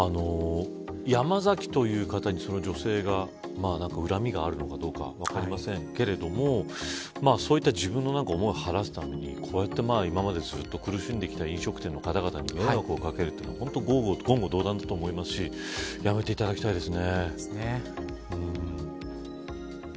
ヤマザキという方にその女性が恨みがあるのかどうか分かりませんけれどもそういった自分の思いを晴らすために今までずっと苦しんできた飲食店の方々に迷惑をかけるというのは言語道断だと思いますしやめていただきたいです。